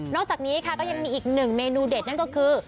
จากนี้ค่ะก็ยังมีอีกหนึ่งเมนูเด็ดนั่นก็คือ